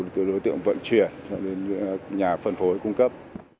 từ đối tượng vận chuyển cho đến nhà phân phối cung cấp